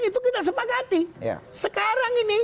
itu kita sepakati sekarang ini